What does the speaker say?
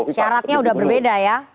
syaratnya sudah berbeda ya